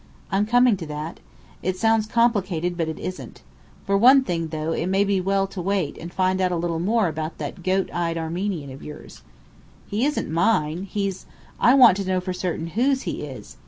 "I'm coming to that. It sounds complicated, but it isn't. For one thing, though, it may be well to wait and find out a little more about that goat eyed Armenian of yours." "He isn't mine. He's ". "I want to know for certain whose he is.